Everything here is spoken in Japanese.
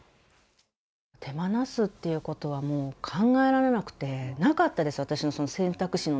手放すっていうことはもう考えられなくて、なかったです。